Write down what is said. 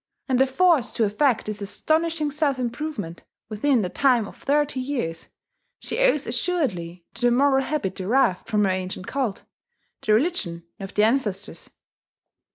And the force to effect this astonishing self improvement, within the time of thirty years, she owes assuredly to the moral habit derived from her ancient cult, the religion of the ancestors.